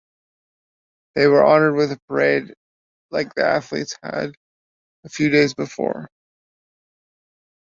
They were honoured with a parade like the athletes had a few days before.